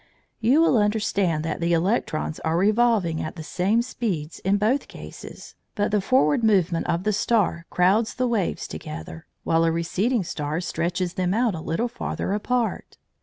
You will understand that the electrons are revolving at the same speeds in both cases, but the forward movement of the star crowds the waves together, while a receding star stretches them out a little farther apart.